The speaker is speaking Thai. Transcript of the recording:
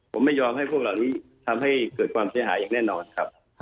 ผมไม่ยอมให้พวกเหล่านี้ทำให้เกิดความเสียหายอย่างแน่นอนครับ